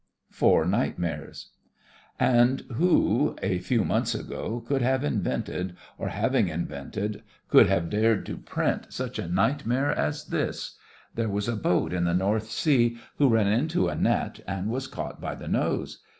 FOUR NIGHTMARES And who, a few months ago, could have invented, or having invented, would have dared to print such a nightmare as this: There was a boat in the North Sea who ran into a net and was caught by the nose.